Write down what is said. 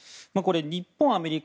日本、アメリカ